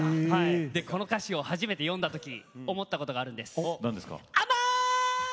この歌詞を初めて読んだとき思ったことがありました